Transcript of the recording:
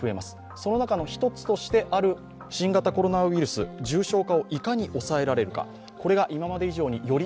その中の１つとしてある新型コロナウイルス重症化をいかに抑えられるか、これが今まで以上により